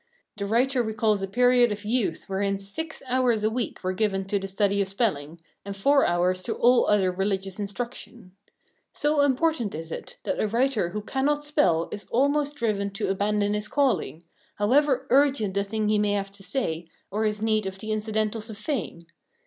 The writer recalls a period of youth wherein six hours a week were given to the study of spelling, and four hours to all other religious instruction. So important is it, that a writer who cannot spell is almost driven to abandon his calling, however urgent the thing he may have to say, or his need of the incidentals of fame.